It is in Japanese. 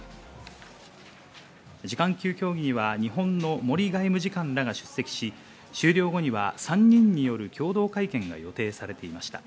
次官級協議には日本の森外務次官らが出席し、終了後には３人による共同会見が予定されていました。